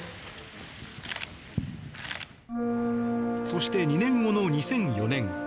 そして２年後の２００４年